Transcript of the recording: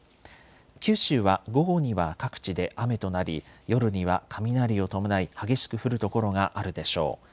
九州は午後には各地で雨となり夜には雷を伴い激しく降る所があるでしょう。